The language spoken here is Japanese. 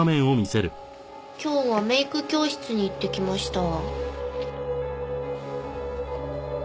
「今日はメイク教室に行ってきました」